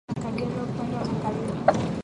Umepakana na Kagera upande wa magharibi